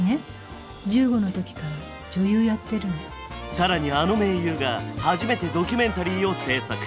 更にあの名優が初めてドキュメンタリーを制作。